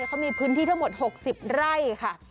เขามีพื้นที่ทั้งหมด๖๐ไร่ค่ะ